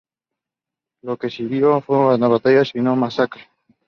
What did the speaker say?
Lo que siguió no fue una batalla, sino una masacre.